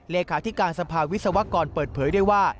เลขาธิการสภาวิศวกรเปิดเผยได้ว่า